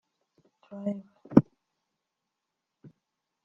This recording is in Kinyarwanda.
Drive